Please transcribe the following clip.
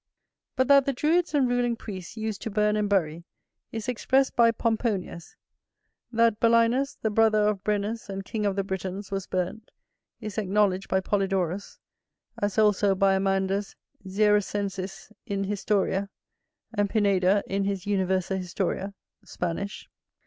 But that the Druids and ruling priests used to burn and bury, is expressed by Pomponius; that Bellinus, the brother of Brennus, and King of the Britons, was burnt, is acknowledged by Polydorus, as also by Amandus Zierexensis in Historia and Pineda in his Universa Historia (Spanish).